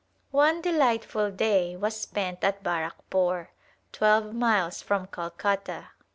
One delightful day was spent at Barrackpore, twelve miles from Calcutta.